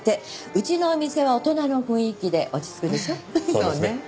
そうね。